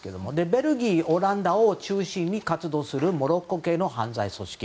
ベルギー、オランダを中心に活動するモロッコ系の犯罪組織。